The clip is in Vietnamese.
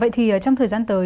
vậy thì trong thời gian tới